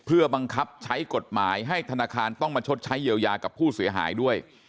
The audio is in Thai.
เพื่อบังคับใช้กฎหมายให้ธนาคารต้องมาชดใช้เยียวยากับผู้เสียหายด้วย